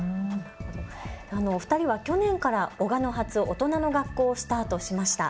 お二人は去年からおがの発・大人の学校をスタートしました。